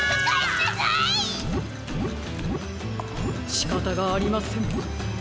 しかたがありません。